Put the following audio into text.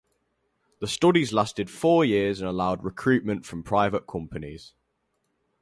The studies lasted four years and allowed recruitment from private companies.